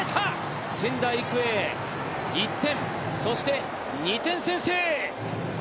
仙台育英、１点、そして２点先制。